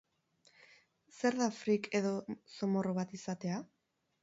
Zer da freak edo zomorro bat izatea?